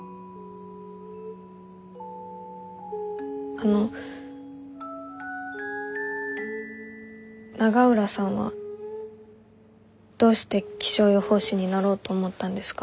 あの永浦さんはどうして気象予報士になろうと思ったんですか？